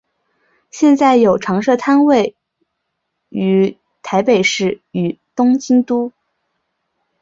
现在有常设摊位于台北市与东京都。